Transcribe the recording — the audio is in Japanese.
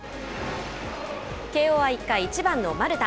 慶応は１回、１番の丸田。